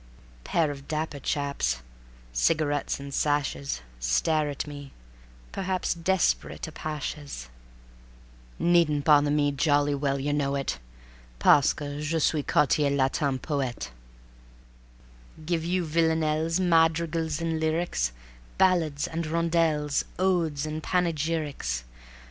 Pair of dapper chaps, Cigarettes and sashes, Stare at me, perhaps Desperate Apachès. "Needn't bother me, Jolly well you know it; Parceque je suis Quartier Latin poète. "Give you villanelles, Madrigals and lyrics; Ballades and rondels, Odes and panegyrics.